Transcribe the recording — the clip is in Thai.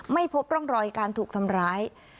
ไม่พบร่องรอยการถูกทำร้าย